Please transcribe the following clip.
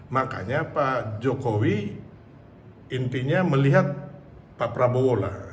makanya pak jokowi intinya melihat pak prabowo lah